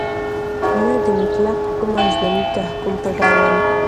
نه د مطلق حکم او ژبني تحکم په ډول